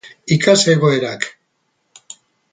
Ikas egoerak